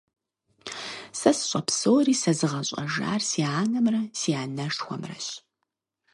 Сэ сщӀэ псори сэзыгъэщӀэжар си анэмрэ, си анэшхуэмрэщ.